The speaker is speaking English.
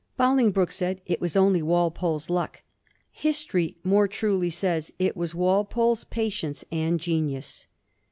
Bolingbroke said it was only Walpole's luck. History more truly says it was Walpole's patience and genius.